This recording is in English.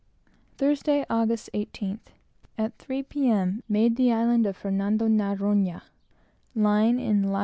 Thursday, August 18th. At three P. M., made the island of Fernando Naronha, lying in lat.